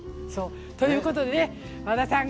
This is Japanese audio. ということでね、和田さん